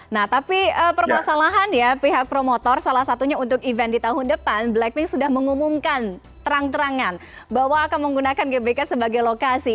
nah tapi permasalahan ya pihak promotor salah satunya untuk event di tahun depan blackpink sudah mengumumkan terang terangan bahwa akan menggunakan gbk sebagai lokasi